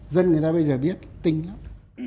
dân người ta bây giờ biết tinh lắm